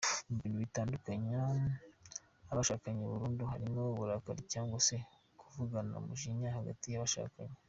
Mu bintu bitandukanya abashakanye burundu harimo uburakari cyangwa se kuvugana umujinya hagati y’abashakanye.